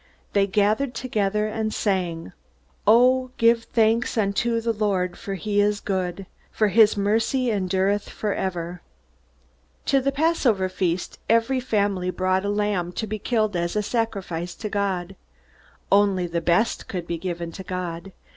They gathered together and sang: "O give thanks unto the Lord, for he is good: For his mercy endureth for ever." To the Passover feast every family brought a lamb to be killed as a sacrifice to God. Only the best could be given to God.